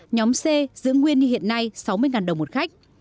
nhóm c giữ nguyên như hiện nay sáu mươi đồng một khách